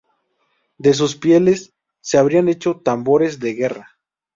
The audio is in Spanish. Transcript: De sus pieles, se habría hecho tambores de guerra.